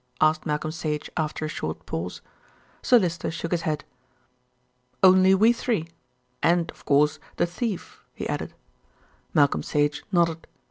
asked Malcolm Sage after a short pause. Sir Lyster shook his head. "Only we three; and, of course, the thief," he added. Malcolm Sage nodded.